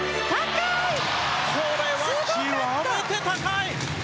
これは極めて高い！